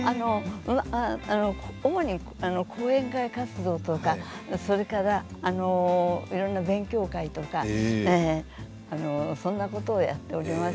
主に講演会活動とかいろんな勉強会とかそんなことをやっております。